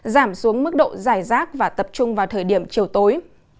giảm xuống mức độ dài rác và tập trung vào thời điểm chiều tối